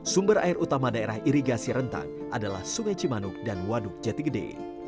sumber air utama daerah irigasi rentang adalah sungai cimanuk dan waduk jatigede